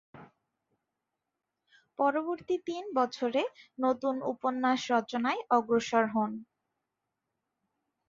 পরবর্তী তিন বছরে নতুন উপন্যাস রচনায় অগ্রসর হন।